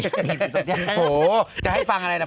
โหจะให้ฟังอะไรนะพ่อ